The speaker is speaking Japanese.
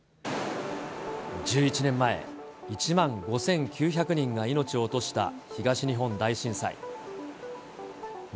１１年前、１万５９００人が命を落とした東日本大震災。